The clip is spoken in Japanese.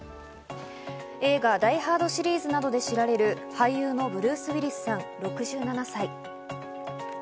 映画『ダイ・ハード』シリーズなどで知られる俳優のブルース・ウィリスさん、６７歳。